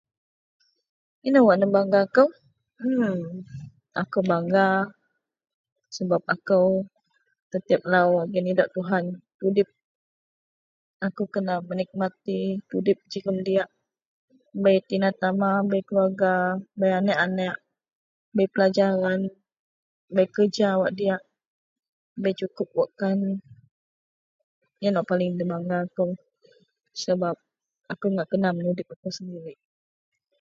Ino wak nebangga kou ..mmm. akou bangga sebab akou tetiap lau agei nidok Tuhan tudip akou kena menikmati tudip jegem diyak bei tina tama bei keluarga bei anek-anek bei pelajaran bei kerja wak diyak bei sukup wak kan iyen wak paling dibangga kou sebab akou ngak kena menudip kou sendirik.